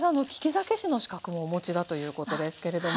酒師の資格もお持ちだということですけれども。